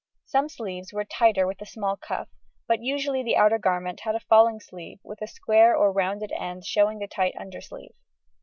Some sleeves were tighter with a small cuff, but usually the outer garment had a falling sleeve with a square or round end showing the tight undersleeve.